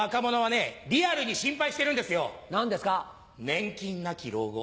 年金なき老後。